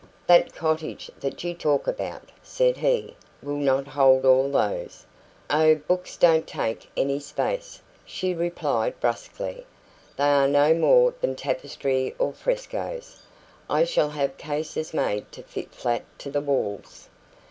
"That cottage that you talk about," said he, "will not hold all those." "Oh, books don't take any space," she replied brusquely. "They are no more than tapestry or frescoes. I shall have cases made to fit flat to the walls."